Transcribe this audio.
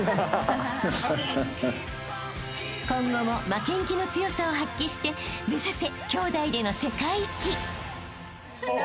［今後も負けん気の強さを発揮して目指せきょうだいでの世界一］